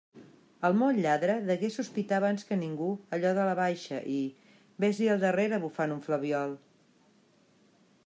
El molt lladre degué sospitar abans que ningú allò de la baixa, i... vés-li al darrere bufant un flabiol!